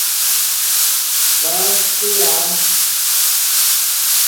far-se-á